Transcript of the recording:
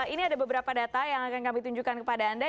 ini ada beberapa data yang akan kami tunjukkan kepada anda